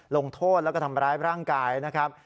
ลงโทษแล้วก็ทำร้ายร่างกายนะครับ